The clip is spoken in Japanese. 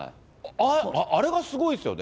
あれがすごいですよね。